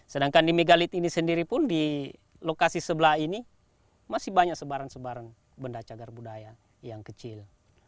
sedangkan di megalit ini sendiri pun di lokasi sebelah ini masih banyak sebaran sebaran benda cagar budaya yang kecil